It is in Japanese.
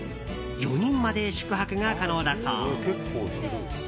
４人まで宿泊が可能だそう。